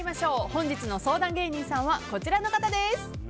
本日の相談芸人さんはこちら。